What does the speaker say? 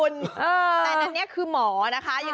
แต่นั้นคือหมอนะคะ